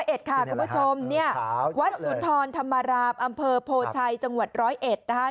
๑๐๐เอ็ดค่ะคุณผู้ชมเนี่ยวัดสุนทรธรรมรามอันพโพไชจังหวัด๑๐๑นะคะ